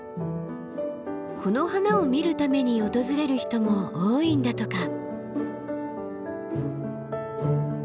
この花を見るために訪れる人も多いんだとか。